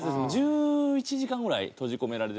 １１時間ぐらい閉じ込められてて。